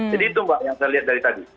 jadi itu mbak yang saya lihat dari tadi